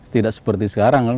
tidak seperti sekarang kan